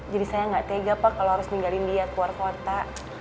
jadi saya ga tega pak kalo harus ninggalin dia ke luar kota